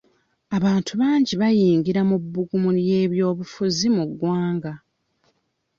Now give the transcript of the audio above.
Abantu bangi bayingira mu bbugumu ly'ebyobufuzi mu ggwanga.